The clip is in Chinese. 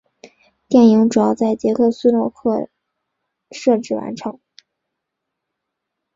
电影主要在捷克斯洛伐克摄制完成。